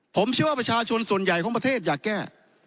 ผมเชื่อว่าประชาชนส่วนใหญ่ของประเทศอยากแก้